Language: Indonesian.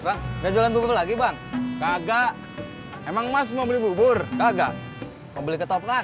bangnya jalan dulu lagi bang kagak emang mas mau beli bubur kagak mau beli ketoprak